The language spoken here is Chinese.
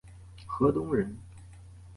河东人。